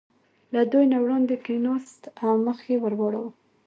له دوی نه وړاندې کېناست او مخ یې ور واړاوه.